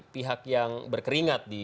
pihak yang berkeringat